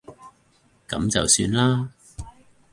噉就算啦